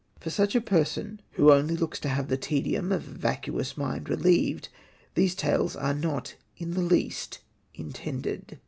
For such a person, who only looks to have the tedium of a vacuous mind relieved, these tales are not in the least intended.